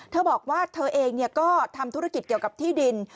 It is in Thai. เธอบอกว่าเธอเองก็ทำธุรกิจเกี่ยวกับที่ดิน